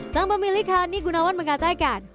sang pemilik hani gunawan mengatakan